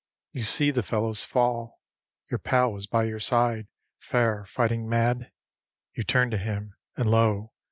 _ You see the fellows fall; Your pal was by your side, fair fighting mad; You turn to him, and lo!